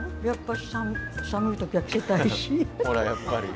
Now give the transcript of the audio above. ほらやっぱり。